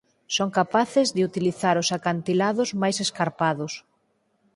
Son capaces de utilizar os acantilados máis escarpados.